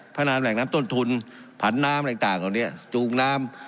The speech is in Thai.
พัฒนาแหล่งน้ำต้นทุนผันน้ำต่างต่างต่อนี้จูงน้ำ